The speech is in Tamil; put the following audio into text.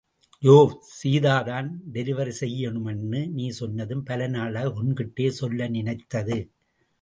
யோவ்... சீதாதான், டெலிவரி செய்யனுமுன்னு நீ சொன்னதும், பல நாளாய் ஒன்கிட்டே சொல்ல நினைத்தது.